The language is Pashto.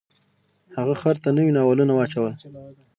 هغه خر ته نوي نالونه واچول.